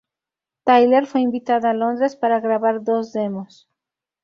Tyler fue invitada a Londres para grabar dos demos.